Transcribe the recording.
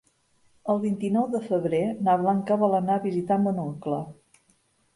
El vint-i-nou de febrer na Blanca vol anar a visitar mon oncle.